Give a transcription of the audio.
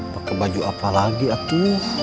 pak kebaju apa lagi itu